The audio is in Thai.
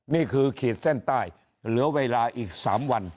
นี่คือเขตเส้นใต้เหลือเวลาอีกสามวัน